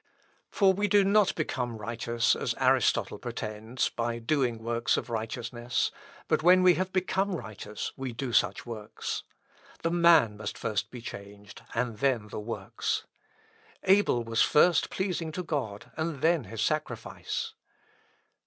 For we do not become righteous, as Aristotle pretends, by doing works of righteousness; but when we have become righteous we do such works. The man must first be changed, and then the works. Abel was first pleasing to God, and then his sacrifice."